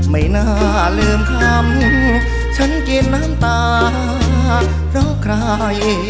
ไม่น่าลืมคำฉันกินน้ำตาเพราะใคร